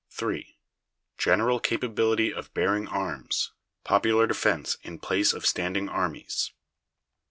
3. General capability of bearing arms; popular defense in place of standing armies.